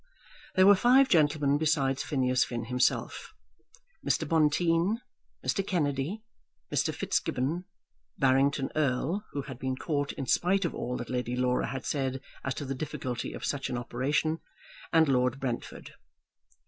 There were five gentlemen besides Phineas Finn himself, Mr. Bonteen, Mr. Kennedy, Mr. Fitzgibbon, Barrington Erle, who had been caught in spite of all that Lady Laura had said as to the difficulty of such an operation, and Lord Brentford.